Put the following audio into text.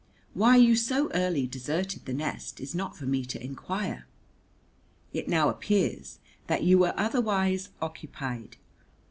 Why you so early deserted the nest is not for me to inquire. It now appears that you were otherwise occupied.